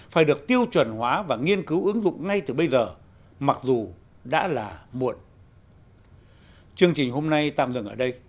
phải được tiêu chuẩn hóa và nghiên cứu ứng dụng ngay từ bây giờ mặc dù đã là muộn